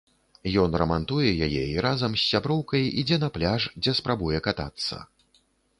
Ён рамантуе яе і разам з сяброўкай ідзе на пляж, дзе спрабуе катацца.